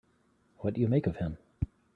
What do you make of him?